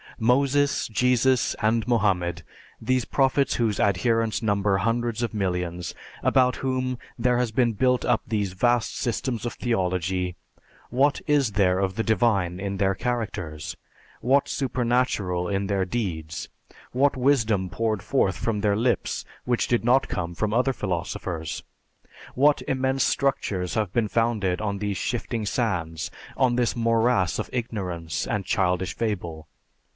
Moses, Jesus, and Mohammed these prophets whose adherents number hundreds of millions, about whom there has been built up those vast systems of theology, what is there of the divine in their characters? What supernatural in their deeds? What wisdom poured forth from their lips which did not come from other philosophers? What immense structures have been founded on these shifting sands, on this morass of ignorance and childish fable?